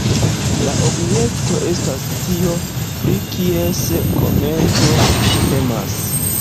La objekto estas tio, pri kies komenco temas.